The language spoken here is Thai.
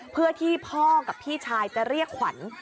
เพื่อที่พ่อกับพี่ชายจะเรียกขวัญ